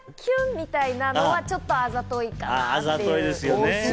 みたいなのはちょっとあざといかな。